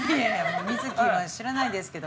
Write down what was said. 瑞木は知らないですけど。